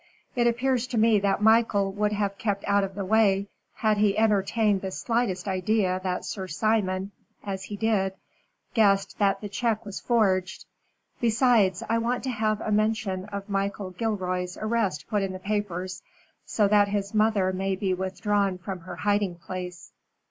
"It appears to me that Michael would have kept out of the way had he entertained the slightest idea that Sir Simon as he did guessed that the check was forged. Besides, I want to have a mention of Michael Gilroy's arrest put in the papers, so that his mother may be withdrawn from her hiding place."